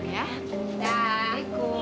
ya selamat tinggal